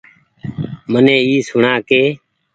مني اي سوڻآ ڪي